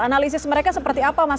analisis mereka seperti apa mas